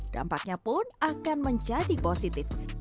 dampaknya pun akan menjadi positif